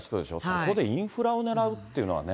そこでインフラを狙うっていうのはね。